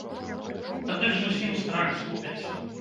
Тады ж зусім страх згубяць.